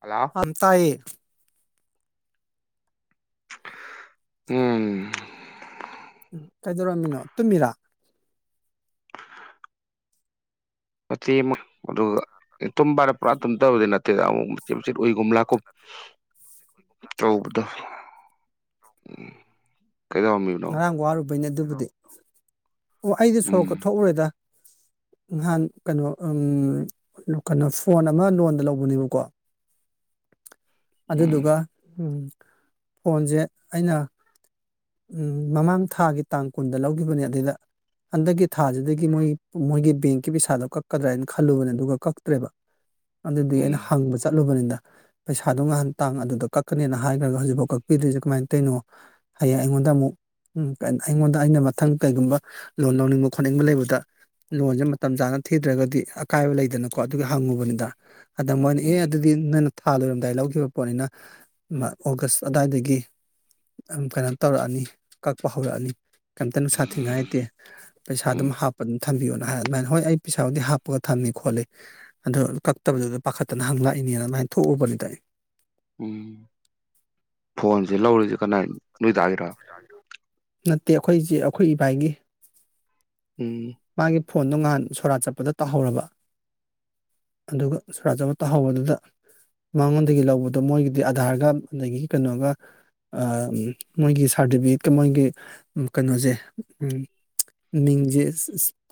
Hello ꯑꯝ ꯇꯥꯏꯌꯦ ꯎꯝ ꯎꯝ ꯀꯩꯗꯧꯔꯝꯃꯤꯅꯣ ꯇꯨꯝꯃꯤꯔꯥ ꯃꯇꯦꯛ ꯑꯃ ꯑꯗꯨꯒ ꯇꯨꯝꯕꯅ ꯄꯨꯔꯥ ꯇꯨꯝꯗꯕꯗꯤ ꯅꯠ [unintelligible] ꯎꯝ ꯉꯔꯥꯡ ꯋꯥꯔꯨꯕꯩꯅꯦ ꯑꯗꯨꯕꯨꯗꯤ ꯑꯣ ꯑꯩꯗꯤ ꯁꯣꯔꯣꯛꯀ ꯎꯝ ꯊꯣꯛꯎꯔꯦꯗ ꯅꯍꯥꯟ ꯀꯩꯅꯣ ꯎꯝ ꯀꯩꯅꯣ ꯐꯣꯟ ꯑꯃ ꯂꯣꯟꯗ ꯂꯧꯕꯅꯦꯕꯀꯣ ꯎꯝ ꯑꯗꯨꯗꯨꯒ ꯐꯣꯟꯖꯦ ꯑꯩꯅ ꯎꯝ ꯃꯃꯥꯡ ꯊꯥꯒꯤ ꯇꯥꯡ ꯀꯨꯟꯗ ꯂꯧꯒꯤꯕꯅꯦ ꯑꯗꯏꯗ ꯍꯟꯗꯛꯀꯤ ꯊꯥꯖꯤꯗꯒꯤ ꯃꯣꯏ ꯃꯣꯏꯒꯤ ꯕꯦꯡꯀꯤ ꯄꯩꯁꯥꯗꯣ ꯀꯛꯀꯗ꯭ꯔꯥ ꯍꯥꯏꯅ ꯈꯜꯂꯨꯕꯅꯦ ꯑꯗꯨꯒ ꯀꯛꯇ꯭ꯔꯦꯕ ꯑꯗꯨꯗꯤ ꯑꯩꯅ ꯎꯝ ꯍꯪꯕ ꯆꯠꯂꯨꯕꯅꯤꯗ ꯄꯩꯁꯥꯗꯣ ꯉꯍꯥꯟ ꯇꯥꯡ ꯑꯗꯨꯗ ꯀꯛꯀꯅꯦꯅ ꯍꯥꯏꯒ꯭ꯔꯒ ꯍꯧꯖꯤꯛꯕꯧ ꯀꯛꯄꯤꯗꯔꯤꯖ‌ꯦ ꯀꯃꯥꯏꯟ ꯇꯩꯅꯣ ꯑꯩꯉꯣꯟꯗ ꯑꯃꯨꯛ ꯎꯝ ꯑꯩꯉꯣꯟꯗ ꯑꯩꯅ ꯃꯊꯪ ꯀꯩꯒꯨꯝꯕ ꯂꯣꯟ ꯂꯧꯅꯤꯡꯕ ꯈꯣꯠꯅꯤꯡꯕ ꯂꯩꯕꯗ ꯂꯣꯟꯖ‌ꯦ ꯃꯇꯝ ꯆꯥꯅ ꯊꯤꯗ꯭ꯔꯒꯗꯤ ꯑꯀꯥꯏꯕ ꯂꯩꯗꯅꯀꯣ ꯑꯗꯨꯒꯤ ꯍꯪꯉꯨꯕꯅꯤꯗ ꯑꯗ ꯃꯣꯏꯅ ꯑꯦ ꯎꯝ ꯑꯗꯨꯗꯤ [unintelligible] ꯊꯥ ꯂꯣꯏꯔꯝꯗꯥꯏ ꯂꯧꯈꯤꯕ ꯄꯣꯠꯅꯤꯅ ꯃꯥ ꯑꯣꯒꯁ ꯑꯗꯥꯏꯗꯒꯤ ꯑꯝ ꯀꯩꯅꯣ ꯇꯧꯔꯛꯑꯅꯤ ꯀꯛꯄ ꯍꯧꯔꯛꯑꯅꯤ ꯀ‌ꯦꯝꯇ ꯅꯨꯡꯁꯥ ꯊꯤꯡꯉꯥꯏꯇꯦ ꯄꯩꯁꯥ ꯎꯝ ꯑꯗꯨꯝ ꯍꯥꯞꯄ ꯊꯝꯕꯤꯌꯣꯅ ꯍꯥꯏ ꯑꯗꯨꯃꯥꯏꯅ ꯍꯣꯏ ꯑꯩ ꯄꯩꯁꯥꯕꯨꯗꯤ ꯍꯥꯞꯄꯒ ꯊꯝꯃꯤ ꯈꯣꯠꯂꯤ ꯑꯗꯨ ꯀꯛꯇꯕꯗꯨꯗ ꯄꯥꯈꯠꯇꯅ ꯍꯪ ꯂꯛꯏꯅꯦꯅ ꯑꯗꯨꯃꯥꯏꯟ ꯊꯣꯎꯕꯅꯤꯗ ꯑꯩ ꯎꯝ ꯐꯣꯟꯖꯦ ꯂꯧꯔꯤꯖ‌ꯦ ꯀꯅꯥꯏ ꯅꯣꯏ ꯗꯥ ꯒꯤꯔꯣ ꯅꯠꯇꯦ ꯑꯈꯣꯏ ꯖ‌ꯦ ꯑꯈꯣꯏ ꯏꯕꯥꯏꯒꯤ ꯎꯝ ꯃꯥꯒꯤ ꯐꯣꯟꯗꯣ ꯉꯍꯥꯟ ꯁꯣꯔꯥꯠ ꯆꯠꯄꯗ ꯇꯥꯍꯧꯔꯕ ꯑꯗꯨꯒ ꯁꯣꯔꯥꯠ ꯆꯠꯄ ꯇꯥ ꯍꯧ ꯕꯗꯨꯗꯥ ꯃꯉꯣꯟꯗꯒꯤ ꯂꯧꯕꯗꯣ ꯃꯣꯏꯒꯤꯗꯤ ꯑꯙꯥꯔꯒ ꯗꯒꯤ ꯀꯩꯅꯣꯒ ꯑꯥ ꯎꯝ ꯃꯣꯏꯒꯤ ꯁꯥꯔꯗꯤꯚꯤꯒ‌ꯦꯠꯀ ꯃꯣꯏꯒꯤ ꯎꯝ ꯀꯩꯅꯣꯖ‌ꯦ ꯎꯝ ꯃꯤꯡꯖ‌ꯦ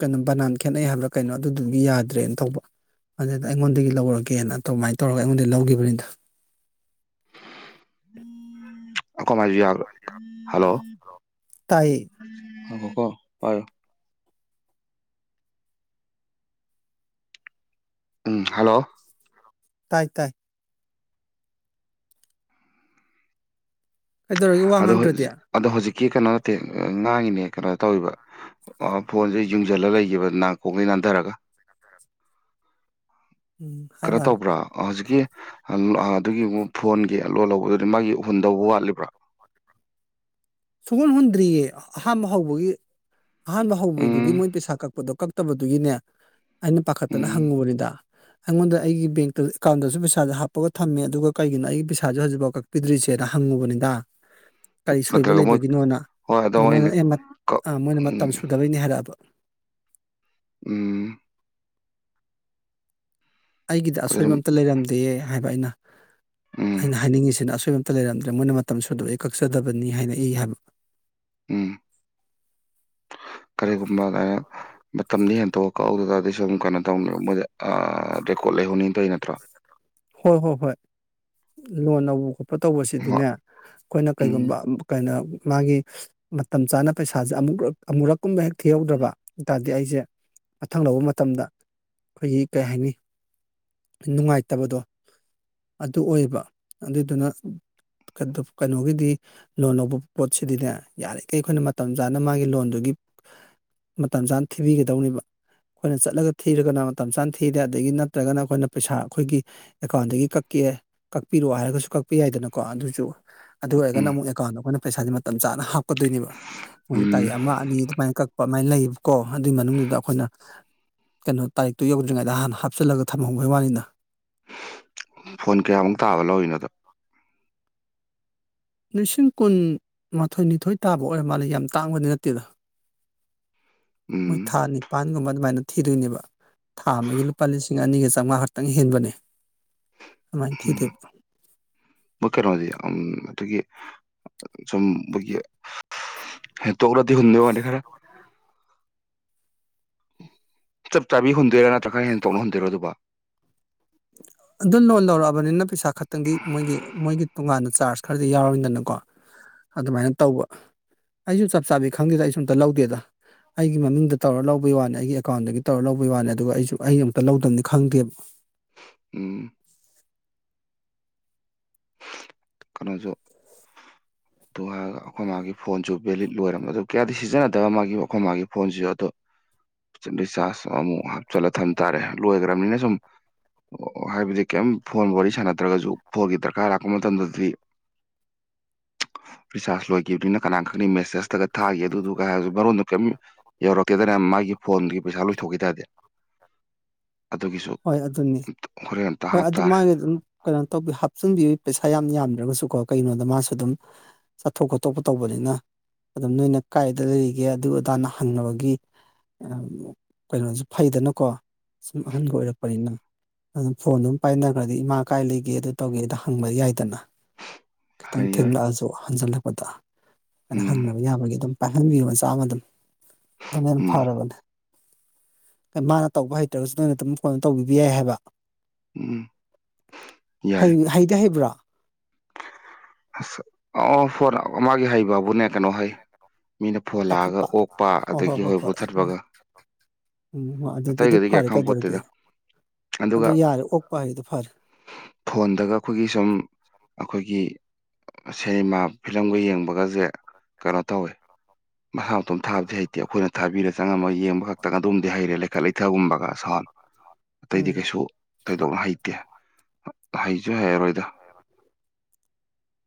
ꯀꯅꯣ ꯕꯅꯥꯟ ꯈꯦꯠꯅꯩ ꯍꯥꯏꯕ꯭ꯔꯥ ꯀꯩꯅꯣ ꯑꯗꯨꯗꯨꯒꯤ ꯌꯥꯗ꯭ꯔꯦꯟ ꯇꯧꯕ ꯑꯗꯨꯗ ꯑꯩꯉꯣꯟꯗꯒꯤ ꯂꯧꯔꯒꯦꯅ ꯗꯨꯃꯥꯏ ꯇꯧꯔꯒ ꯑꯩꯉꯣꯟꯗꯒꯤ ꯂꯧꯒꯤꯕꯅꯤꯗ ꯑꯈ‌ꯣ ꯃꯥꯏꯖ‌ꯦ ꯌꯥ [unintelligible] ꯍꯜꯂꯣ ꯇꯥꯏꯌꯦ ꯉꯥꯏꯈꯣꯀꯣ ꯄꯥꯏꯌꯣ ꯎꯝ ꯍꯜꯂꯣ ꯇꯥꯏ ꯇꯥꯏ ꯀꯩꯗꯧꯔꯒꯦ ꯋꯥ ꯍꯂ‌ꯣ ꯉꯥꯡꯗ꯭ꯔꯗꯤ ꯍꯖꯤꯛ ꯑꯗꯣ ꯍꯧꯖꯤꯛꯀꯤ ꯀꯩꯅꯣ ꯅꯠꯇꯦ ꯉꯥꯡꯉꯤꯅꯦ ꯀꯩꯅꯣ ꯇꯧꯔꯤꯕ ꯑꯥ ꯐꯣꯟꯖ‌ꯦ ꯌꯨꯡꯖꯜꯂ ꯂꯩꯒꯤꯕ ꯅꯥ ꯀ‌ꯣꯡꯗꯩ ꯅꯥꯟꯗꯔꯒ ꯎꯝ ꯍꯥꯏꯔꯣ ꯀꯩꯅꯣ ꯍꯥꯏꯔꯣ ꯇꯧꯕ꯭ꯔꯥ ꯑꯥ ꯍꯨꯖꯤꯛꯀꯤ ꯑꯥ ꯑꯗꯨꯒꯤ ꯃꯨ ꯐꯣꯟꯒꯤ ꯂꯣꯟ ꯂꯧꯕꯗꯨꯗꯤ ꯃꯥꯒꯤ ꯍꯨꯟꯗꯧ ꯋꯥꯠꯂꯤꯕ꯭ꯔꯥ ꯁꯨꯍꯨꯟ ꯍꯨꯟꯗ꯭ꯔꯤꯌꯦ ꯑꯍꯥꯝꯕ ꯍꯧꯕꯒꯤ ꯑꯍꯥꯟꯕ ꯍꯧꯕꯗꯨꯒꯤ ꯎꯝ ꯃꯣꯏ ꯄꯩꯁꯥ ꯀꯛꯄꯗꯣ ꯀꯛ ꯇꯕꯗꯨꯒꯤꯅꯦ ꯑꯩꯅ ꯄꯥꯈꯠꯇꯅ ꯎꯝ ꯍꯪꯉꯨꯕꯅꯤꯗ ꯑꯩꯉꯣꯟꯗ ꯑꯩꯒꯤ ꯕꯦꯡꯇ ꯑꯦꯀꯥꯎꯟꯗꯖꯨ ꯄꯩꯁꯥꯖ‌ꯦ ꯍꯥꯞꯄꯒ ꯊꯝꯃꯦ ꯑꯗꯨꯒ ꯀꯩꯒꯤꯅꯣ ꯑꯩꯒꯤ ꯄꯩꯁꯥꯖ‌‌ꯦ ꯍꯧꯖꯤꯛꯕꯧ ꯀꯛ ꯄꯤꯗ꯭ꯔꯤꯁꯦꯅ ꯍꯪꯉꯨꯕꯅꯤꯗ ꯀꯣꯏꯕ ꯅꯠꯇ꯭ꯔꯒ ꯃꯣꯏ ꯂꯩꯕꯒꯤꯅꯣꯅ ꯍꯣꯏ ꯑꯗꯣ ꯑꯗꯨ ꯃꯣꯏꯅ ꯑꯩꯅ ꯑꯦ ꯃꯠ ꯀꯛ ꯑꯥ ꯃ‌ꯣꯏꯅ ꯎꯝ ꯃꯇꯝ ꯁꯨꯗꯕꯩꯅ‌ꯦ ꯍꯥꯏꯔꯛꯑꯕ ꯎꯝ ꯑꯩꯒꯤꯗꯤ ꯑꯗꯨꯗꯤ ꯑꯁꯣꯏꯕ ꯑꯝꯇ ꯂꯩꯔꯝꯗꯤꯌ‌ꯦ ꯍꯥꯏꯕ ꯑꯩꯅ ꯎꯝ ꯑꯩꯅ ꯍꯥꯏꯅꯤꯡ ꯉꯤꯁꯤꯅ ꯑꯁꯣꯏ ꯇ ꯂꯩꯔꯝꯗ꯭ꯔꯦ ꯃꯣꯏꯅ ꯃꯇꯝ ꯁꯨꯗꯕꯩ ꯀꯛꯆꯗꯕꯅꯤ ꯍꯥꯏꯅ ꯑꯩ ꯍꯥꯏꯕ ꯎꯝ ꯀꯔꯤ ꯒꯨꯝꯕ [unintelligible] ꯇꯝꯗꯤ ꯍꯦꯟꯇꯣꯛꯑ ꯀꯛꯍꯧꯗ ꯇꯥꯗꯤ ꯁꯨꯝ ꯀꯩꯅꯣ ꯇꯧꯅꯤ ꯃꯣꯏꯗꯤ ꯑꯥ ꯔꯦꯀꯣꯠ ꯂꯩꯍꯧꯅꯤꯟ ꯇ‌ꯩ ꯅꯠꯇ꯭ꯔꯣ ꯍꯣꯏ ꯍꯣꯏ ꯍꯣꯏ ꯂꯣꯟ ꯂꯧꯕ ꯄ ꯍꯣꯏ ꯇꯧꯕꯁꯤꯗꯤꯅꯦ ꯈꯣꯏꯅ ꯎꯝ ꯀꯩꯒꯨꯝꯕ ꯀꯩꯅꯣ ꯃꯥꯒꯤ ꯃꯇꯝ ꯆꯥꯅ ꯄꯩꯁꯥꯖ‌ꯦ ꯑꯃꯨꯔꯛ ꯑꯃꯨꯔꯛꯀꯨꯝꯕ ꯍꯦꯛ ꯊꯤꯍꯧꯗ꯭ꯔꯕ ꯑꯗꯨ ꯇꯥꯔꯗꯤ ꯑꯩꯖ‌ꯦ ꯃꯊꯪ ꯂꯧꯕ ꯃꯇꯝꯗ ꯑꯈꯣꯏꯒꯤ ꯀꯩ ꯍꯥꯏꯅꯤ ꯅꯨꯡꯉꯥꯏꯇꯕꯗꯣ ꯑꯗꯨ ꯑꯣꯏꯕ ꯑꯗꯨꯏꯗꯨꯅ ꯀꯗꯨꯐ ꯀꯩꯅꯣꯒꯤꯗꯤ ꯂꯣꯟ ꯂꯧꯕ ꯄꯣꯠꯁꯤꯗꯤꯅꯦ ꯌꯥꯔꯤꯈꯩ ꯑꯩꯈꯣꯏꯅ ꯃꯇꯝ ꯆꯥꯅ ꯃꯥꯒꯤ ꯂꯣꯟꯗꯨꯒꯤ ꯃꯇꯝ ꯆꯥꯅ ꯊꯤꯕꯤꯒꯗꯧꯅꯦꯕ ꯑꯩꯈꯣꯏꯅ ꯆꯠꯂꯒ ꯊꯤꯔꯒꯅ ꯃꯇꯝ ꯆꯥꯅ ꯊꯤꯔꯦ ꯑꯗꯥꯒꯤ ꯅꯠꯇ꯭ꯔꯥꯒꯅ ꯑꯩꯈꯣꯏꯅ ꯄꯩꯁꯥ ꯑꯩꯈꯣꯏꯒꯤ ꯑꯦꯀꯥꯎꯟꯗꯒꯤ ꯀꯛꯀꯦ ꯀꯛꯄꯤꯔꯣ ꯍꯥꯏꯔꯒꯁꯨ ꯀꯛꯄ ꯌꯥꯏꯗꯅꯀꯣ ꯑꯗꯨꯁꯨ ꯑꯗꯨ ꯑꯣꯏꯔꯒꯅ ꯎꯝ ꯑꯃꯨꯛ ꯑꯦꯀꯥꯎꯟꯗ ꯑꯩꯈꫭꯏꯅ ꯄꯩꯁꯥꯁꯦ ꯃꯇꯝ ꯆꯥꯅ ꯍꯥꯞꯀꯗꯣꯏꯅꯦꯕ ꯃꯣꯏꯒꯤ ꯎꯝ ꯇꯥꯔꯤꯛ ꯑꯃ ꯑꯅꯤ ꯑꯗꯨꯃꯥꯏꯅ ꯀꯛ ꯄꯃꯥꯏ ꯂꯩꯕꯀꯣ ꯑꯗꯨꯏ ꯃꯅꯨꯡꯗꯨꯗ ꯑꯩꯈꯣꯏꯅ ꯀꯩꯅꯣ ꯇꯥꯔꯤꯛꯇꯨ ꯌꯧꯗ꯭ꯔꯤꯉꯩꯗ ꯍꯥꯟ ꯍꯥꯞꯆꯤꯂꯒ ꯊꯝꯍꯧꯕꯩ ꯋꯥꯅꯤꯗ ꯐꯣꯟ ꯀꯌꯥꯃꯨꯛ ꯇꯥꯕ ꯂꯧꯔꯤꯅꯣꯗꯣ ꯂꯤꯁꯤꯡ ꯀꯨꯟꯃꯥꯊꯣꯏꯅꯤꯊꯣꯏ ꯇꯥꯕ ꯑꯣꯏꯔ ꯃꯥꯜꯂꯦ ꯌꯥꯝ ꯇꯥꯡꯕꯗꯤ ꯅꯠꯇꯦꯗ ꯃꯣꯏ ꯎꯝ ꯊꯥ ꯅꯤꯄꯥꯟꯒꯨꯝꯕ ꯑꯗꯨꯃꯥꯏꯅ ꯊꯤꯗꯣꯏꯅꯦꯕ ꯊꯥ ꯑꯃꯒꯤ ꯂꯨꯄꯥ ꯂꯤꯁꯤꯡ ꯑꯅꯤꯒ ꯆꯥꯝꯃꯉꯥ ꯈꯛꯇꯪ ꯍꯦꯟꯕꯅꯦ ꯑꯗꯨꯃꯥꯏ ꯎꯝ ꯊꯤꯗꯣꯏꯕ ꯃꯣꯏ ꯀꯩꯅꯣꯗꯤ ꯎꯝ ꯑꯗꯨꯒꯤ ꯁꯨꯝꯄꯒꯤ ꯍꯦꯟꯇꯣꯛꯅꯗꯤ ꯍꯨꯟꯕꯒꯤ ꯋꯥꯅꯤ ꯈꯔ ꯆꯥꯞ ꯆꯥꯕꯤ ꯍꯨꯟꯗꯣꯏꯔ ꯅꯠꯇ꯭ꯔꯥꯒ ꯈꯔ ꯍꯦꯟꯇꯣꯛꯅ ꯍꯨꯟꯗꯣꯏꯔ ꯑꯗꯨꯕꯨ [inaudible] ꯑꯗꯨ ꯂꯣꯟ ꯂꯧꯔꯛꯑꯕꯅꯤꯅ ꯄꯩꯁꯥ ꯈꯛꯇꯪꯗꯤ ꯃꯣꯏꯒꯤ ꯃꯣꯏꯒꯤ ꯇꯣꯉꯥꯟꯅ ꯆꯥꯔꯖ ꯈꯔꯗꯤ ꯌꯥꯎꯔꯅꯤꯗꯅꯀꯣ ꯑꯗꯨꯃꯥꯏꯅ ꯇꯧꯕ ꯑꯩꯁꯨ ꯆꯥꯞ ꯆꯥꯕꯤ ꯈꯪꯗꯦꯗ ꯑꯩꯁꯨ ꯑꯃꯨꯛꯇ ꯂꯧꯗꯦꯗ ꯑꯩꯒꯤ ꯃꯃꯤꯡꯗ ꯇꯧꯔ ꯂꯧꯕꯩ ꯋꯥꯅꯤ ꯑꯩꯒꯤ ꯑꯦꯀꯥꯎꯟꯗꯒꯤ ꯇꯧꯔ ꯂꯧꯕꯩ ꯋꯥꯅꯤ ꯑꯗꯨꯒ ꯑꯩꯁꯨ ꯑꯩ ꯑꯃꯨꯛꯇ ꯂꯧꯗꯕꯅꯤꯅ ꯈꯪꯗꯦꯕ ꯎꯝ꯫ ꯀꯩꯅꯣꯁꯨ ꯑ ꯑꯩꯈꯣꯏ ꯃꯥꯒꯤ ꯐꯣꯟꯁꯨ ꯚꯦꯂꯤꯠ ꯂꯣꯏꯔꯕ ꯑꯗꯨ ꯀꯌꯥꯗꯤ ꯁꯤꯖꯤꯟꯅꯗꯕ ꯃꯥꯒꯤ ꯑꯩꯈꯣꯏ ꯃꯥꯒꯤ ꯐꯣꯟꯁꯤꯁꯨ ꯑꯗꯣ ꯔꯤꯆꯥꯥꯔꯖ ꯑꯃꯨꯛ ꯍꯥꯞꯆꯤꯜꯂ ꯊꯝ ꯇꯥꯔꯦ ꯂꯣꯏꯈ꯭ꯔꯥꯕꯅꯤꯅ ꯁꯨꯝ ꯑꯣ ꯍꯥꯏꯕꯗꯤ ꯀꯔꯤꯝ ꯐꯣꯟ ꯋꯥꯔꯤ ꯁꯥꯟꯅꯗ꯭ꯔꯥꯒꯁꯨ ꯐꯣꯟꯒꯤ ꯗꯔꯀꯥꯔ ꯂꯥꯛꯄ ꯃꯇꯝꯗꯗꯤ ꯔꯤꯆꯥꯔꯖ ꯂꯣꯏꯈꯤꯕꯅꯤ ꯀꯅꯥꯅ ꯈꯪꯅꯤ ꯃꯦꯁꯦꯖ ꯅꯠꯇ꯭ꯔꯥꯒ ꯊꯥꯒꯤ ꯑꯗꯨꯗꯨꯒ ꯍꯥꯏꯁꯨ ꯃꯔꯣꯟꯗꫭ ꯀꯔꯤꯝ ꯌꯧꯔꯛꯇꯦꯗꯅ ꯃꯥꯒꯤ ꯐꯣꯟꯒꯤ ꯄꯩꯁꯥ ꯂꫭꯏ ꯊꯣꯛꯈꯤ ꯇꯥꯔꯗꯤ ꯑꯗꯨꯒꯤꯁꯨ ꯍꯣꯏ ꯑꯗꯨꯅꯤ ꯍꯣꯔꯦꯟ ꯑꯝꯇ ꯍꯣꯏ ꯍꯥꯞ ꯑꯗꯨ ꯇꯥꯔꯦ ꯃꯥꯒꯤ ꯑꯗꯨꯝ ꯀꯩꯅꯣ ꯇꯧꯕꯤ ꯍꯥꯞꯆꯤꯟꯕꯤ ꯄꯩꯁꯥ ꯌꯥꯝ ꯌꯥꯝꯗ꯭ꯔꯥꯒꯁꯨ ꯀꯣ ꯀꯩꯅꯣꯗ ꯃꯥꯁꯨ ꯑꯗꯨꯝ ꯆꯠꯊꯣꯛ ꯈꯣꯠꯇꯣꯛꯄ ꯇꯧꯕꯅꯤꯅ ꯑꯗꯨꯝ ꯅꯣꯏꯅ ꯀꯥꯏꯗ ꯂꯩꯔꯤꯒꯦ ꯑꯗꯨ ꯑꯗꯥꯅ ꯍꯪꯅꯕꯒꯤ ꯀꯩꯅꯣꯁꯨ ꯐꯩꯗꯥꯅꯀꯣ ꯁꯨꯝ ꯑꯍꯥꯟꯒ ꯑꯣꯏꯔꯛꯄꯅꯤꯅ ꯑꯗꯨꯝ ꯐꯣꯟ ꯑꯗꯨꯝ ꯄꯥꯏꯅꯈ꯭ꯔꯥꯗꯤ ꯏꯃꯥ ꯀꯥꯏ ꯂꯩꯒꯦ ꯑꯗꯨ ꯇꯧꯒꯦꯗꫭ ꯍꯪꯕ ꯌꯥꯏꯗꯅ ꯈꯤꯇꯪ ꯍꯥꯏ ꯌꯥꯏ ꯊꯦꯡꯂꯛꯑꯁꯨ ꯍꯟꯖꯤꯜꯂꯛꯄꯗ ꯑꯗꯥ ꯎꯝ ꯍꯪꯅꯕ ꯌꯥꯕꯒꯤ ꯑꯗꯨꯝ ꯄꯥꯏꯍꯟꯕꯤꯌꯣ ꯃꯆꯥ ꯑꯃ ꯑꯗꯨꯝ ꯑꯗꯨꯅ ꯍꯦꯟ ꯎꯝ ꯐꯔꯕꯅꯦ ꯃꯅꯥ ꯇꯧꯕ ꯍꯩꯇ꯭ꯔꯥꯒꯁꯨ ꯅꯣꯏꯅ ꯑꯗꯨꯝ ꯐꯣꯟ ꯇꯧꯕꯤꯕ ꯌꯥꯏ ꯍꯥꯏꯕ ꯎꯝ꯫ ꯌꯥꯏ ꯍꯩ ꯍꯩꯗꯤ ꯍꯩꯕ꯭ꯔꫭ ꯑꯁ ꯑꯥ ꯐꯣꯟ ꯃꯥꯒꯤ ꯍꯩꯕꯕꯨꯅꯦ ꯀꯩꯅꯣ ꯍꯩ ꯃꯤꯅ ꯐꯣꯟ ꯂꯛꯑꯒ ꯄꯥꯏꯈꯠꯄ ꯑꯣꯛꯄ ꯑꯗꯥꯒꯤ ꯍꯣꯏ ꯃꯨꯊꯠꯄꯒ ꯎꯝ ꯑꯗꯨꯗꯤ ꯑꯗꯨ ꯐꯔꯦ ꯀꯩꯗꯧꯔꯒꯦ ꯑꯗꯨ ꯑꯗꯨꯒ ꯌꯥꯔꯦ ꯑꯣꯛꯄ ꯍꯩꯔꯤꯗꯨ ꯐꯔꯦ ꯐꯣꯟꯗꯒ ꯑꯩꯈꯣꯏꯒꯤ ꯁꯨꯝ ꯑꯩꯈꯣꯏꯒꯤ ꯁꯦꯅꯦꯃꯥ ꯐꯤꯂꯝꯒ ꯌꯦꯡꯕꯒꯁꯦ ꯀꯩꯅꯣ ꯇꯧꯋꯦ ꯃꯁꯥ ꯃꯇꯣꯝ ꯊꯥꯕꯗꯤ ꯍꯩꯇꯦ ꯑꯩꯈꯣꯏꯅ ꯊꯥꯕꯤꯔ ꯆꯪꯉꯝꯃꯒ ꯌꯦꯡꯕ ꯈꯛꯇꯒ ꯑꯗꯨꯝꯗꯤ ꯍꯩꯔꯦ ꯂꯩꯈꯠ ꯂꯩꯊꯒꯨꯝꯕꯒ ꯁꯥꯎꯟ ꯑꯥ ꯁꯥꯎꯟ ꯑꯇꯩꯗꯤ ꯀꯩꯁꯨ ꯊꯣꯏꯗꯣꯛꯅ ꯍꯩꯇꯦ ꯍꯩꯁꯨ ꯍꯩꯔꯔꯣꯏꯗ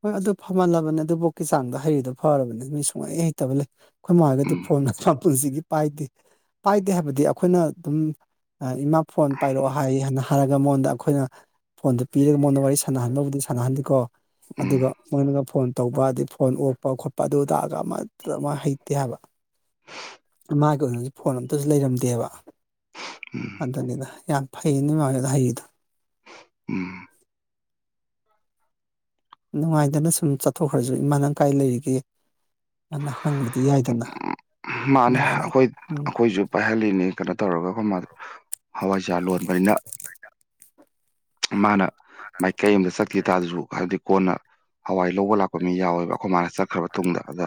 ꯍꯣꯏ ꯑꯗꯨ ꯐꯝꯃꯜꯂꯕꯅꯤ ꯑꯗꯨꯕꯣꯛꯀꯤ ꯆꯥꯡꯗ ꯍꯩꯔꯤꯗꯨꯣ ꯐꯔꯕꯅꯤ ꯃꯤ ꯁꯨꯡꯍꯩ ꯍꯩꯇꯕ ꯂꯩ ꯑꯩꯈꯣꯏ ꯃꯥ ꯍꫭꯏꯒꯗꯤ ꯎꯝ ꯐꯣꯟ ꯒꯥꯁꯦ ꯃꯄꯨꯟꯁꯤꯒꯤ ꯄꯥꯏꯗꯦ ꯄꯥꯏꯗꯦ ꯍꯥꯏꯕꯗꯤ ꯑꯩꯈꯣꯏꯅ ꯑꯗꯨꯝ ꯑ ꯏꯃꯥ ꯐꯣꯟ ꯄꯥꯏꯔꯛꯑꯣ ꯍꯥꯏ ꯍꯥꯏꯅ ꯍꯥꯏꯔꯒ ꯃꯉꯣꯟꯗ ꯑꯩꯈꯣꯏꯅ ꯐꯣꯟꯗꯨ ꯄꯤꯔꯒ ꯃꯉꯣꯟꯗ ꯄꯤꯔꯒ ꯋꯥꯔꯤ ꯁꯥꯟꯅꯍꯟꯕꯕꯨꯗꯤ ꯁꯥꯟꯅꯍꯟꯜꯂꯤꯀꯣ ꯎꯝ ꯑꯗꯨꯒ ꯃꯣꯏꯅꯒ ꯐꯣꯟ ꯇꯧꯕ ꯑꯗꯩ ꯐꯣꯟ ꯑꯣꯛꯄ ꯈꯣꯠꯄ ꯑꯗꯨ ꯑꯗꯒ ꯑꯃꯇ ꯃꯥ ꯍꯩꯇꯦ ꯍꯥꯏꯕ ꯃꯥꯒꯤ ꯑꯣꯏꯅꯁꯨ ꯐꯣꯟ ꯑꯝꯇꯁꯨ ꯂꯩꯔꯝꯗꯦꯕ ꯎꯝ ꯑꯗꯨꯅꯤꯅ ꯌꯥꯝ ꯐꯩ ꯅꯣꯏ ꯃꯥꯈꯣꯏꯒ ꯍꯩꯔꯤꯗꯣ ꯎꯝ ꯅꯨꯡꯉꯥꯏꯗꯅ ꯁꯨꯝ ꯆꯠꯊꯣꯛꯈ꯭ꯔꯁꯨ ꯏꯃꯥ ꯅꯪ ꯀꯥꯏ ꯂꯩꯔꯤꯒꯦ ꯑꯅꯥ ꯍꯪꯕꯗꯤ ꯌꯥꯏꯗꯅ ꯃꯥꯅꯦ ꯑꯗꯨꯃꯥꯏꯅ ꯑꯩꯈꯣꯏ ꯎꯝ ꯑꯩꯈꯣꯏꯁꯨ ꯄꯥꯏꯍꯜꯂꯤꯅꯤ ꯀꯩꯅꯣ ꯇꯧꯔꯒ ꯑꯩꯈꯣꯏ ꯃꯥꯗ ꯍꯋꯥꯏꯖꯥꯔ ꯂꯣꯟꯕꯅꯤꯅ ꯃꯥꯅ ꯃꯥꯏꯀꯩ ꯑꯝꯗ ꯆꯠꯈꯤ ꯇꯥꯔꯁꯨ ꯍꯥꯏꯗꯤ ꯀꯣꯟꯅ ꯍꯋꯥꯏ ꯂꯧꯕ ꯂꯥꯛꯄ ꯃꯤ ꯌꯥꯎꯋꯦꯕ ꯑꯩꯈꯣꯏ ꯃꯥꯅ ꯆꯠꯈ꯭ꯔꯕ ꯇꯨꯡꯗ ꯑꯗ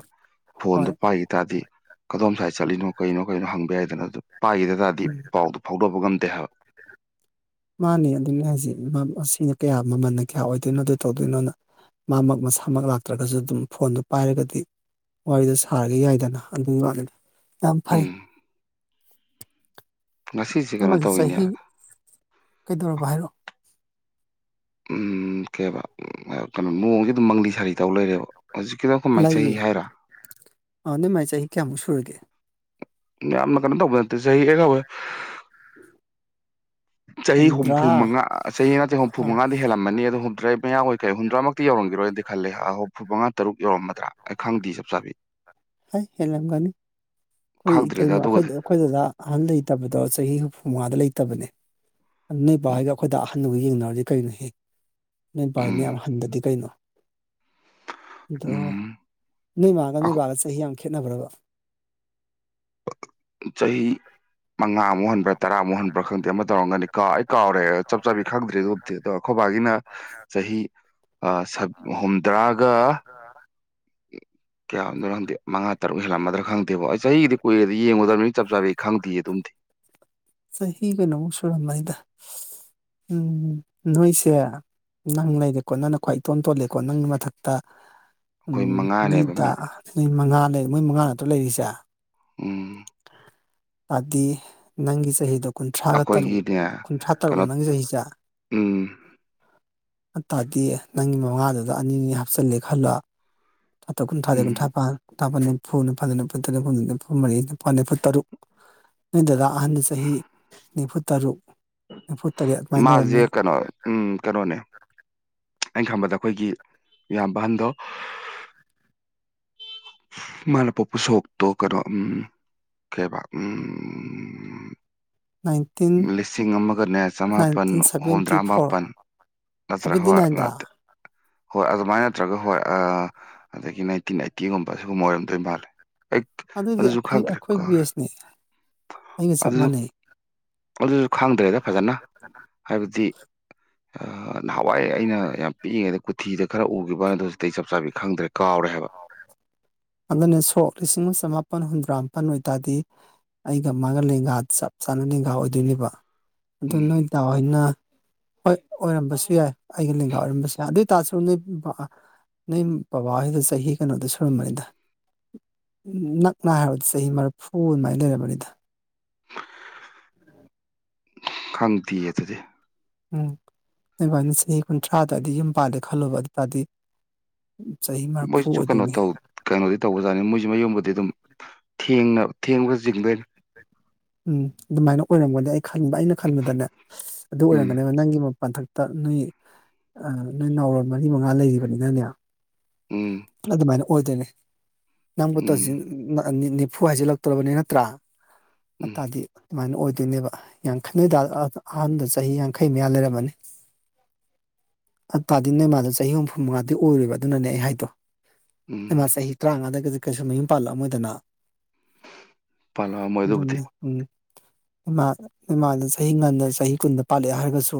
ꯐꯣꯟꯗꯨ ꯍꯣꯏ ꯄꯥꯏꯈꯤ ꯇꯥꯔꯗꯤ ꯀꯗꯣꯝ ꯁꯥꯏꯠꯗ ꯆꯠꯂꯤꯅꯣ ꯀꯩꯅꯣ ꯀꯩꯅꯣ ꯍꯪꯕ ꯌꯥꯏꯗꯅ ꯑꯗꯨ ꯄꯥꯏꯈꯤꯗ ꯇꯥꯔꯗꯤ ꯎꯝ ꯄꯥꯎꯗꯨ ꯐꯥꯎꯗꯣꯅꯕ ꯉꯝꯗꯦ ꯍꯥꯏꯕ ꯃꯥꯅꯦ ꯑꯗꯨꯅꯤ ꯍꯥꯏꯁꯤ ꯑꯁꯤꯅ ꯀꯌꯥ ꯃꯃꯜꯅ ꯀꯌꯥ ꯑꯣꯏꯗꯣꯏꯅꯣ ꯑꯗ ꯨꯇꯧꯗꯣꯏꯅꯣꯅ ꯃꯥꯃꯛ ꯃꯁꯥꯃꯛ ꯂꯥꯛꯇ꯭ꯔꯒꯁꯨ ꯑꯗꯨꯝ ꯐꯣꯟꯗꯨ ꯄꯥꯏꯔꯒꯗꯤ ꯋꯥꯔꯤꯗꯨ ꯁꯥꯔꯒ ꯌꯥꯏꯗꯅ ꯑꯗꯨꯒꯤ ꯋꯥꯅꯤꯗ ꯌꯥꯝ ꯐꯩ ꯎꯝ ꯉꯁꯤꯁꯦ ꯅꯣꯏ ꯀꯩꯅꯣ ꯃꯥꯁꯦ ꯆꯍꯤ ꯇꯧꯋꯤꯅꯦ ꯀꯩꯗꯧꯔꯕ ꯍꯥꯏꯔꯛꯑꯣ ꯎꯝ ꯀꯩꯕ ꯀꯩꯅꯣ ꯅꯣꯡꯖꯦ ꯑꯗꯨꯝ ꯃꯪꯂꯤ ꯁꯥꯔꯤ ꯇꯧꯔ ꯂꯩꯔꯦꯕ ꯍꯧꯖꯤꯛꯀꯤꯗꯣ ꯑꯩꯈꯣꯏ ꯃꯥꯒꯤ ꯆꯍꯤ ꯍꯥꯏꯔꯣ ꯑꯥ ꯅꯣꯏ ꯃꯥꯒꯤ ꯆꯍꯤ ꯀꯌꯥꯃꯨꯛ ꯁꯨꯔꯒꯦ ꯌꯥꯝꯅ ꯀꯩꯅꯣ ꯇꯧꯕ ꯅꯠꯇꯦ ꯆꯍꯤ [unintelligible] [inaudible] ꯆꯍꯤ ꯍꯨꯝꯗ꯭ꯔꯥ ꯍꯨꯝꯐꯨ ꯃꯉꯥ ꯆꯍꯤ ꯅꯠꯇꯦ ꯍꯨꯝꯐꯨ ꯑꯥ ꯃꯉꯥꯗꯤ ꯍꯦꯜꯂꯝꯃꯅꯤ ꯑꯗꯨ ꯍꯨꯝꯗ꯭ꯔꯥ ꯃꯌꯥꯑꯣꯏ ꯀꯩ ꯍꯨꯝꯗ꯭ꯔꯥꯃꯛ ꯇꯤ ꯌꯧꯔꯝꯒꯤ ꯔꯣꯏꯗꯤ ꯈꯜꯂꯦ ꯑꯥ ꯍꯨꯝꯐꯨꯠ ꯃꯉꯥ ꯇꯔꯨꯛ ꯌꯧꯔꯝꯃꯗ꯭ꯔꯥ ꯑꯩ ꯈꯪꯗꯤꯌꯦ ꯆꯞ ꯆꯥꯕꯤ ꯍꯩ ꯍꯦꯜꯂꯝꯒꯅꯤ ꯑꯩꯈꯣꯏ ꯈꯪꯗ꯭ꯔꯦꯗ ꯏꯇꯩꯃꯥ ꯑꯩꯈꯣꯏ ꯑꯗꯨꯒꯗꯤ ꯑꯩꯈꯣꯏ ꯗꯗꯥ ꯑꯍꯟ ꯂꯩꯇꯕꯗꯣ ꯆꯍꯤ ꯍꯨꯝꯐꯨ ꯃꯉꯥꯗ ꯂꯩꯇꯕꯅꯦ ꯅꯣꯏ ꯕꯥ ꯑꯣ ꯍꯣꯏꯒ ꯑꯩꯈꯣꯏ ꯗꯥ ꯑꯍꯟ ꯍꯣꯏꯒ ꯌꯦꯡꯅꯔꯨꯔꯗꯤ ꯀꯩꯅꯣꯍꯦ ꯅꯣꯏ ꯄꯥ ꯍꯣꯏꯅ ꯎꯝ ꯌꯥꯝ ꯍꯟꯗꯗꯤ ꯀꯩꯅꯣ ꯑꯗꯣ ꯎꯝ ꯅꯣꯏ ꯃꯥꯒ ꯑꯈꯣ ꯅꯣꯏꯕꯥꯒ ꯆꯍꯤ ꯌꯥꯝ ꯈꯦꯠꯅꯕ꯭ꯔꯕ ꯆꯍꯤ ꯃꯉꯥꯃꯨꯛ ꯍꯟꯕ꯭ꯔꯥ ꯇꯔꯥꯃꯨꯛ ꯍꯟꯕ꯭ꯔꯥ ꯈꯪꯗꯦ ꯑꯃ ꯇꯧꯔꯝꯒꯅꯤ ꯀꯥꯎ ꯑꯩ ꯀꯥꯎꯔꯦ ꯆꯞ ꯆꯥꯕꯤ ꯈꯪꯗ꯭꯭ꯔꯦ ꯑꯗꯨꯕꯨꯗꯤ ꯑꯗꯣ ꯑꯩꯈꯣꯏꯕꯥꯒꯤꯅ ꯆꯍꯤ ꯑꯥ ꯁꯕ ꯍꯨꯝꯗ꯭ꯔꯥꯒ ꯀꯌꯥ ꯑꫭꯏꯔꯝꯗꯨꯅꫭ ꯈꯪꯗꯦ ꯃꯉꯥ ꯇꯔꯨꯛ ꯍꯦꯜꯂꯝꯃꯗ꯭ꯔ ꯈꯪꯗꯦꯕꫭ ꯑꯩ ꯆꯍꯤꯒꯤꯗꯤ ꯀꯨꯏꯔꯦꯗ ꯌꯦꯡꯉꯨꯗꯕꯅꯤꯅ ꯆꯞ ꯆꯥꯕꯤ ꯈꯪꯗꯦ ꯑꯗꯨꯝꯗꯤ ꯆꯍꯤ ꯀꯩꯅꯣꯃꯨꯛ ꯁꯨꯔꯝꯃꯅꯤꯗ ꯎꯝ ꯅꯣꯏꯁꯦ ꯅꯪ ꯂꯩꯔꯦꯀꯣ ꯅꯪꯅ ꯈ꯭ꯋꯥꯏ ꯏꯇꯣꯟ ꯇꯣꯜꯂꯦꯀꯣ ꯅꯪ ꯃꯊꯛꯇ ꯎꯝ ꯑꯩꯈꯣꯏ ꯅꯣꯏ ꯃꯉꯥꯅꯦꯕ ꯗꯥ ꯃꯤ ꯅꯣꯏ ꯃꯉꯥ ꯂꯩ ꯃꯣꯏ ꯃꯉꯥ ꯅꯠꯇ꯭ꯔꯣ ꯂꯩꯔꯤꯁꯦ ꯎꯝ ꯑꯥꯗꯤ ꯅꯪꯒꯤ ꯆꯍꯤꯗꯣ ꯀꯨꯟꯊ꯭ꯔꯥꯒ ꯇꯔꯨꯛ ꯑꯩꯈꯣꯏꯒꯤꯅꯦ ꯀꯨꯟꯊ꯭ꯔꯥ ꯇꯔꯨꯛ ꯀꯩꯅꯣ ꯑꯣꯏ ꯅꯪꯒꯤ ꯆꯍꯤ ꯁꯦ ꯎꯝ ꯑꯗꯨꯇꯥꯔꯗꯤ ꯅꯪꯒꯤ ꯃꯉꯥꯗꯨꯗ ꯑꯅꯤꯅꯤ ꯍꯥꯞꯆꯤꯜꯂꯦ ꯈꯜꯂꯣ ꯀꯨꯟꯊ꯭ꯔꯥꯇ꯭ꯔꯨꯛ ꯀꯨꯟꯊ꯭ꯔꯥꯇꯦꯠ ꯎꯝ ꯀꯨꯟꯊ꯭ꯔꯥꯏꯄꯥꯟ ꯀꯨꯟꯊ꯭ꯔꯥꯝꯄꯟ ꯅꯤꯝꯐꯨ ꯅꯤꯐꯨꯃꯥꯊꫭꯏ ꯅꯤꯝꯐꯨꯅꯤꯊꫭꯏ ꯅꯤꯝꯐꯨꯍꯨꯝꯗꫭꯏ ꯅꯤꯝꯐꯨ ꯃꯔꯤ ꯅꯤꯄꯥꯜ ꯅꯤꯐꯨ ꯇꯔꯨꯛ ꯅꯣꯏ ꯗꯗꯥ ꯑꯍꯟꯗꯣ ꯆꯍꯤ ꯅꯤꯝꯐꯨ ꯇꯔꯨꯛ ꯅꯤꯝꯐꯨ ꯇꯔꯦꯠ ꯃꯥꯖꯦ ꯀꯩꯅꯣ ꯎꯝ ꯀꯩꯅꯣꯅꯦ ꯑꯩꯅ ꯈꯟꯕꯗ ꯑꯩꯈꯣꯏꯒꯤ ꯏꯌꯥꯝꯕ ꯑꯍꯟꯗꯣ ꯃꯥꯅ ꯄꯣꯛꯄꯥ ꯁꯣꯛꯇꯣ ꯀꯩꯅꯣ ꯎꯝ ꯀꯩ ꯍꯥꯢꯕ ꯎꯝ ꯅꯥꯟ ꯂꯤꯁꯤꯡ ꯑꯃꯒꯅꯦ ꯆꯃꯥꯄꯟ ꯁꯚꯦꯟꯇꯤ ꯍꯨꯝꯗ꯭ꯔꯥ ꯐꯣꯔ ꯃꯥꯄꯟ ꯅꯠꯇ꯭ꯔ ꯁꯚꯦꯟꯇꯤ ꯍꯣꯏ ꯅꯥꯏꯟꯗ ꯅꯠꯇꯦ ꯍꯣꯏ ꯑꯗꯨꯃꯥꯏꯅ ꯅꯠꯇ꯭ꯔꯒ ꯍꯣꯏ ꯑꯥ ꯑꯗꯒꯤ ꯅꯥꯏꯟꯇꯤꯟ ꯑꯥꯏꯠꯇꯤ ꯒꯨꯝꯕ ꯁꯤꯒꯨꯝꯕ ꯑꯣꯏꯔꯝꯗꯣꯏ ꯃꯥꯜꯂꯦ ꯑꯩ ꯑꯗꯨꯏꯗꯤ ꯑꯗꯨꯁꯨ ꯑꯩꯈꯣꯏ ꯈꯪꯗ꯭ꯔꯦ ꯑꯩꯈꯣꯏ ꯕꯦꯁꯅꯦ ꯑꯩꯒ ꯆꯞ ꯑꯗꯨꯁꯨ ꯃꯥꯟꯅꯩ ꯑꯗꯨꯁꯨ ꯈꯪꯗ꯭ꯔꯦꯗ ꯐꯖꯅ ꯍꯥꯏꯕꯗꯤ ꯑꯥ ꯅꯍꯥꯋꯥꯏ ꯑꯩꯅ ꯌꯥꯝ ꯄꯤꯛꯏꯉꯩꯗ ꯀꯨꯊꯤꯗ ꯈꯔ ꯎꯈꯤꯕ ꯑꯗꯨ ꯍꯧꯖꯤꯇꯤ ꯑꯩ ꯆꯞ ꯆꯥꯕꯤ ꯈꯪꯗ꯭ꯔꯦ ꯀꯥꯎꯔꯦ ꯍꯥꯏꯕ ꯑꯗꯨꯅꯦ ꯁꯣꯛ ꯂꯤꯁꯤꯡ ꯑꯃ ꯆꯃꯥꯄꯜ ꯍꯨꯝꯗ꯭ꯔꯥ ꯃꯥꯄꯜ ꯑꯣꯏꯇꯥꯔꯗꯤ ꯑꯩꯒ ꯃꯥꯒ ꯂꯦꯡꯒꯥ ꯆꯞ ꯆꯥꯅ ꯂꯦꯡꯒꯥ ꯑꯣꯏꯗꯣꯏꯅꯦꯕ ꯑꯗꯨ ꯎꯝ ꯅꯣꯏ ꯗꯥ ꯍꯣꯏꯅ ꯍꯣꯏ ꯑꯣꯏꯔꯝꯕꯁꯨ ꯌꯥꯏ ꯑꯩꯒꯤ ꯂꯦꯡꯒꯥ ꯑꯣꯏꯔꯝꯕꯁꯨ ꯌꯥꯏ ꯑꯗꯨ ꯑꯣꯏꯇꯥꯔꯁꯨ ꯅꯣꯏ ꯕꯥ ꯅꯣꯢ ꯕꯥꯕ ꯍꯣꯢꯗꯣ ꯆꯍꯤ ꯀꯩꯅꯣꯗꯤ ꯁꯨꯔꯝꯃꯅꯤꯗ ꯅꯛꯅ ꯍꯥꯏꯔꯕꯗ ꯆꯍꯤ ꯃꯔꯐꯨ ꯑꯗꯨꯃꯥꯏꯅ ꯂꯩꯔꯝꯃꯅꯤꯗ ꯈꯪꯗꯤꯌꯦ ꯑꯗꯨꯗꯤ ꯎꯝ ꯅꯣꯢꯕꯥꯅ ꯆꯍꯤ ꯀꯨꯟꯊ꯭ꯔꯥꯗ ꯑꯗꯥ ꯌꯨꯝ ꯄꯥꯜꯂꯦ ꯈꯜꯂꯣꯕ ꯑꯗꯨꯇꯥꯔꯗꯤ ꯆꯍꯤ ꯃꯔꯐꯨ ꯃꯣꯏꯁꯨ ꯀꯩꯅꯣ ꯑꯣꯢꯗꯣꯢꯅꯦ ꯇꯧ ꯀꯩꯅꯣꯗꯤ ꯇꯧꯕꯖꯥꯠꯅꯤ ꯃꯣꯏꯁꯨ ꯃꯌꯨꯝꯕꯨꯗꯤ ꯑꯗꯨꯝ ꯊꯦꯡꯅ ꯊꯦꯡꯕ ꯆꯤꯡꯗꯣꯏꯅꯦ ꯎꯝ ꯑꯗꯨꯃꯥꯏꯅ ꯑꯣꯏꯔꯝꯒꯅꯤ ꯑꯩ ꯈꯟꯕ ꯑꯩꯅ ꯈꯟꯕꯗꯅꯦ ꯑꯗꯨ ꯎꯝ ꯑꯣꯏꯔꯝꯒꯅꯦꯕ ꯅꯪꯒꯤ ꯃꯊꯛ ꯇꯥ ꯅꯣꯏ ꯑꯥ ꯅꯣꯏ ꯅꯥꯎꯔꯣꯟ ꯃꯔꯤ ꯃꯉꯥ ꯂꯩꯔꯤꯕꯅꯤꯅꯅꯦ ꯎꯝ ꯑꯗꯨꯃꯥꯏꯅ ꯑꯣꯏꯗꯣꯏꯅꯦ ꯅꯪꯕꯨ ꯎꯝ ꯇꯧꯖꯤꯟ ꯑꯥ ꯅꯤꯐꯨ ꯍꯥꯏꯖꯤꯜꯂꯛꯇꯣꯔꯕꯅꯦ ꯅꯠꯇ꯭ꯔꯥ ꯎꯝ ꯑꯥꯇꯥꯗꯤ ꯑꯗꯨꯃꯥꯏꯅ ꯑꯣꯏꯗꯣꯏꯅꯦꯕ ꯌꯥꯡꯈꯩ ꯅꯣꯏꯗꯥꯜ ꯑꯥ ꯑꯍꯥꯟꯕꯗ ꯆꯍꯤ ꯌꯥꯡꯈꯩ ꯃꯌꯥ ꯂꯩꯔꯝꯃꯅꯤ ꯑꯠ ꯇꯥꯗꯤ ꯅꯣꯢ ꯃꯥꯗꯣ ꯆꯍꯤ ꯍꯨꯝꯐꯨ ꯃꯉꯥꯗꯤ ꯑꯣꯏꯔꯣꯢꯕ ꯑꯗꯨꯅꯅꯦ ꯑꯩ ꯍꯥꯏꯗꯣ ꯅꯣꯢꯃꯥ ꯎꯝ ꯆꯍꯤ ꯇꯔꯥꯉꯥꯗꯗꯤ ꯀꯩꯁꯨ ꯃꯌꯨꯝ ꯄꯥꯜꯂꯛꯑꯝꯃꯣꯏꯗꯅ ꯄꯥꯜꯂꯛꯑꯝꯃꯣꯏ ꯑꯗꯨꯕꯨꯗꯤ ꯑꯗꯨꯅꯦ ꯎꯝ ꯏꯃꯥ ꯏꯃꯥꯅ ꯆꯍꯤ ꯉꯟꯅ ꯆꯍꯤ ꯀꯨꯟꯗ ꯄꯥꯜꯂꯑꯦ ꯍꯥꯏꯔꯒꯁꯨ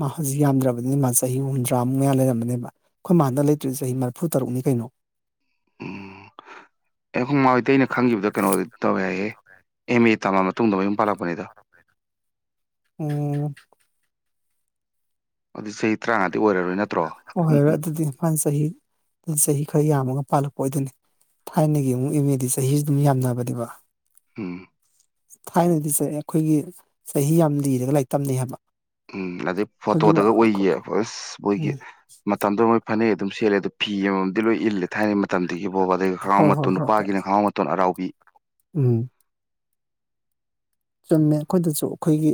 ꯃꯥ ꯍꯧꯖꯤꯛ ꯌꯥꯝꯗ꯭ꯔꯕꯅꯤꯅ ꯃꯥ ꯆꯍꯤ ꯍꯨꯝꯗ꯭ꯔꯥꯃꯨꯛ ꯃꯌꯥ ꯂꯩꯔꯝꯕꯅꯦꯕ ꯑꯩꯈꯣꯏ ꯃꯥꯅ ꯂꯩꯇ꯭ꯔꯤꯁꯦ ꯆꯍꯤ ꯃꯔ ꯐꯨ ꯇꯔꯨꯛꯅꯤ ꯀꯩꯅꯣ ꯎꯝ ꯑꯦ ꯑꯩꯈꯣꯏ ꯃꯥ ꯍꯣꯏꯇꯩꯅ ꯈꯪꯈꯤꯕꯗ ꯀꯩꯅꯣꯗ ꯇꯧꯋꯦ ꯍꯥꯏꯌꯦ ꯑꯦꯝ ꯑꯦ ꯇꯥꯝꯃ ꯃꯇꯨꯡꯗ ꯃꯌꯨꯝ ꯄꯥꯜꯂꯛꯄꯅꯤꯗ ꯑꯣ ꯑꯗꯨꯗꯤ ꯆꯍꯤ ꯇꯔꯥꯉꯥꯗꯤ ꯑꯣꯏꯔꯔꯣꯏ ꯅꯠꯇ꯭ꯔꯣ [unintelligible] ꯑꯣꯏꯔꯔꯣꯏ ꯑꯗꯨꯗꯤ ꯃꯥ ꯆꯍꯤ ꯆꯍꯤ ꯈꯔ ꯌꯥꯝꯃꯒ ꯄꯥꯜꯂꯛꯄ ꯑꯣꯏꯗꯣꯏꯅꯤ ꯊꯥꯏꯅꯒꯤ ꯑꯃꯨꯛ ꯏꯝ ꯃꯦꯗꯤ ꯆꯍꯤꯁꯨ ꯑꯗꯨꯝ ꯌꯥꯝꯅꯕꯅꯤꯕ ꯎꯝ ꯊꯥꯏꯅꯗꯤ ꯆ ꯑꯩꯈꯣꯏꯒꯤ ꯆꯍꯤ ꯌꯥꯝ ꯂꯤꯔꯒ ꯂꯥꯏꯔꯤꯛ ꯇꯝꯅꯩ ꯍꯥꯏꯕ ꯎꯝ ꯑꯗꯨꯗꯩ ꯑꯩꯈꯣꯏꯒꯤ ꯃ ꯐꯣꯇꯣꯗꯒ ꯑꯣꯏꯌꯦ ꯑꯁ ꯃꯣꯏꯒꯤ ꯎꯝ ꯃꯇꯝꯗꯣ ꯃꯣꯏ ꯐꯅꯦꯛ ꯑꯗꯨꯝ ꯁꯦꯠꯂꯦ ꯑ ꯑꯗꯨ ꯐꯤ ꯑꯃꯃꯝ ꯂꯣꯏ ꯏꯜꯂꯦ ꯊꯥꯏꯅꯩ ꯃꯇꯝꯗꯨꯒꯤ ꯕꯣꯕ ꯑꯗꯨꯒ ꯈꯪꯉꯥꯎ ꯍꯣꯏ ꯍꯣꯏ ꯃꯇꯣꯟ ꯍꯣꯏ ꯍꯣꯏ ꯅꯨꯄꯥꯒꯤꯅ ꯈꯪꯉꯥꯎ ꯃꯇꯣꯟ ꯑꯔꯥꯎꯕꯤ ꯎꯝ ꯆꯨꯝꯃꯦ ꯑꯩꯈꯣꯏꯗꯁꯨ ꯑꯩꯈꯣꯏꯒꯤ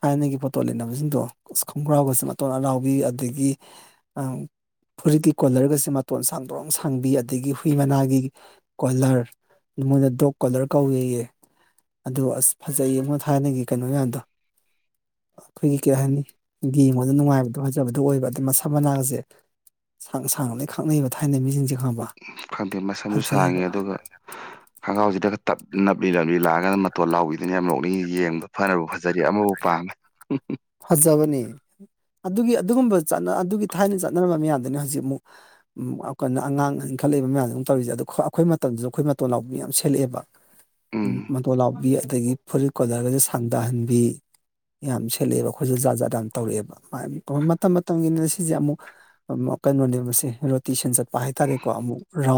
ꯊꯥꯏꯅꯒꯤ ꯄꯣꯇꯣ ꯂꯩꯅꯕꯖꯤꯡꯗꯣ ꯑꯁꯤ ꯈꯣꯡꯒ꯭ꯔꯥꯎꯒꯁꯨ ꯃꯇꯣꯟ ꯑꯔꯥꯎꯕꯤ ꯑꯗꯒꯤ ꯑꯥꯎ ꯐꯨꯔꯤꯠꯀꯤ ꯀꯣꯂ꯭ꯔꯒꯁꯦ ꯃꯇꯣꯟ ꯁꯥꯡꯗ꯭ꯔꯣꯡ ꯁꯥꯡꯕꯤ ꯑꯗꯒꯤ ꯍꯨꯏ ꯃꯅꯥꯒꯤ ꯀꯣꯂ꯭ꯔ ꯑꯗꯨ ꯃꯣꯏꯅ ꯗꯣꯛ ꯀꯣꯂ꯭ꯔ ꯀꯧꯋꯦꯌꯦ ꯑꯗꯨ ꯑꯁ ꯐꯖꯩꯌꯦꯉ‌ꯣ ꯊꯥꯏꯅꯒꯤ ꯀꯩꯅꯣ ꯃꯌꯥꯝꯗꯣ ꯑꯩꯈꯣꯏꯒꯤ ꯀꯩ ꯍꯥꯏꯅꯤ ꯒ‌ꯦꯡꯕꯗ ꯅꯨꯡꯉꯥꯏꯕꯗꯣ ꯑꯖꯕꯗꯣ ꯑꯣꯏꯕ ꯑꯗ ꯃꯁꯝ ꯃꯅꯥꯒꯖ‌ꯦ ꯁꯥꯡ ꯁꯥꯡꯅ ꯂꯣꯏ ꯈꯥꯛꯅꯩꯕ ꯊꯥꯏꯅꯩ ꯃꯤꯁꯤꯡꯖ‌ꯦ ꯈꯪꯉꯕ ꯈꯪꯗꯦ ꯃꯁꯝꯖꯨ ꯐꯖꯩꯌꯦꯕ ꯁꯥꯡꯉꯦ ꯑꯗꯨꯒ ꯈꯣꯡꯒ꯭ꯔꯥꯎꯖꯤꯗꯒ ꯇꯞ ꯅꯞ ꯕꯤ ꯂꯝꯕꯤ ꯂꯥꯡꯑꯒꯅ ꯃꯇꯣꯟ ꯂꯥꯎꯕꯤꯗꯨꯅꯦ ꯌꯥꯝ ꯅꯣꯛꯅꯤꯡꯉꯤ ꯌꯦꯡꯕ ꯐꯅꯕꯨ ꯐꯖꯔꯤ ꯑꯃꯕꯨ ꯄꯥꯝꯃꯦ ꯎꯝ ꯐꯖꯕꯅꯦ ꯑꯗꯨꯒꯤ ꯑꯗꯨꯒꯨꯝꯕ ꯆꯠꯅ ꯑꯗꯨꯒꯤ ꯊꯥꯏꯅ ꯆꯠꯅꯔꯝꯕ ꯃꯌꯥꯝꯗꯨꯅꯤ ꯍꯧꯖꯤꯛ ꯑꯃꯨꯛ ꯎꯝ ꯑ ꯀꯅ ꯑꯉꯥꯡ ꯏꯟꯈꯠꯂꯛꯏꯕ ꯃꯌꯥꯝꯖꯤꯅ ꯇꯧꯔꯤꯖ‌ꯦ ꯑꯗꯨ ꯈ꯭ꯋꯥ ꯑꯩꯈꯣꯏ ꯃꯇꯝꯗꯖꯨ ꯑꯩꯈꯣꯏ ꯃꯇꯣꯟ ꯂꯥꯎꯕꯤ ꯌꯥꯝ ꯁꯦꯠꯂꯛꯑꯦꯕ ꯎꯝ ꯃꯇꯣꯟ ꯂꯥꯎꯕꯤ ꯑꯗꯒꯤ ꯐꯨꯔꯤꯠ ꯀꯣꯂ꯭ꯔꯒꯖꯤ ꯁꯥꯡꯗꯍꯟꯕꯤ ꯌꯥꯝ ꯈ‌ꯦꯠꯂꯛꯑꯦꯕ ꯑꯩꯈꯣꯏꯖ‌ꯦ ꯖꯥꯠ ꯖꯥꯠ ꯌꯥꯝ ꯇꯧꯔꯛꯑꯦꯕ ꯃꯥꯅꯤ ꯃꯇꯝ ꯃꯇꯝꯒꯤꯅꯤ ꯁꯤꯖ‌ꯦ ꯑꯃꯨꯛ ꯑꯃꯨꯛ ꯀꯩꯅꯣꯅꯦꯕꯁꯦ ꯔꯣꯇꯦꯁꯟ ꯆꯠꯄ ꯍꯥꯏꯇꯥꯔꯦꯀꯣ ꯑꯃꯨꯛ ꯔꯥꯎꯟ